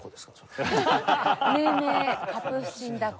命名カプースチンだこ。